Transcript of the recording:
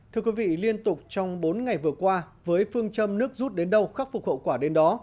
thưa quý vị liên tục trong bốn ngày vừa qua với phương châm nước rút đến đâu khắc phục hậu quả đến đó